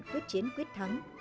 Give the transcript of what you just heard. quyết chiến quyết thắng